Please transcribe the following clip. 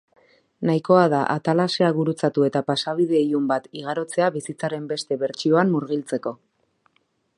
Nahikoa da atalasea gurutzatu eta pasabide ilun bat igarotzea bizitzaren beste bertsioan murgiltzeko.